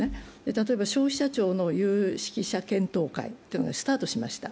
例えば消費者庁の有識者検討会がスタートしました。